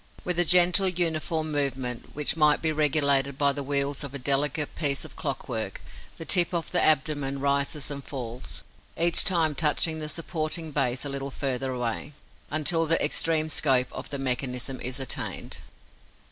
With a gentle, uniform movement, which might be regulated by the wheels of a delicate piece of clockwork, the tip of the abdomen rises and falls, each time touching the supporting base a little farther away, until the extreme scope of the mechanism is attained.